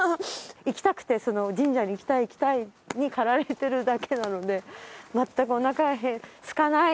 行きたくてその神社に行きたい行きたいに駆られてるだけなので全くおなかがすかない。